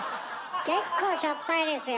結構しょっぱいですよ。